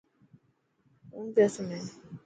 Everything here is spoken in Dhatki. ڪونڻ پيو سڻي.